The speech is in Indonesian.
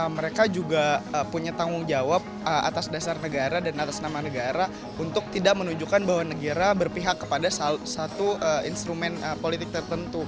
mereka juga punya tanggung jawab atas dasar negara dan atas nama negara untuk tidak menunjukkan bahwa negara berpihak kepada satu instrumen politik tertentu